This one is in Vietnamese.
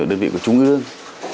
đơn vị của trung ương